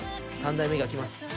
三代目が来ます。